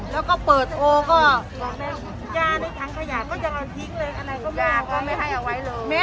แล้วก็เปิดโทรก็ยาในทางขยะก็จะทิ้งเลยยาก็ไม่ให้เอาไว้เลย